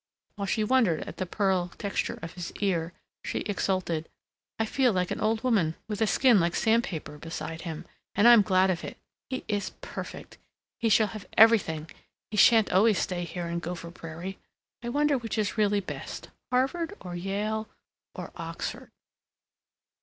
While she wondered at the pearl texture of his ear she exulted, "I feel like an old woman, with a skin like sandpaper, beside him, and I'm glad of it! He is perfect. He shall have everything. He sha'n't always stay here in Gopher Prairie. ... I wonder which is really the best, Harvard or Yale or Oxford?"